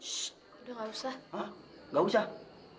sus udah gak usah